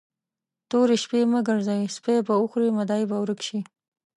تورې شپې مه ګرځئ؛ سپي به وخوري، مدعي به ورک شي.